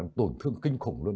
nó tổn thương kinh khủng luôn